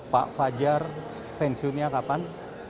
pak fajar pensiunnya kapan